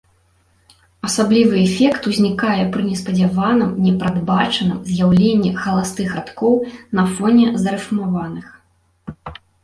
Асаблівы эфект узнікае пры неспадзяваным, непрадбачаным з'яўленні халастых радкоў на фоне зарыфмаваных.